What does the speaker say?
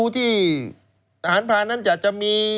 คุณนิวจดไว้หมื่นบาทต่อเดือนมีค่าเสี่ยงให้ด้วย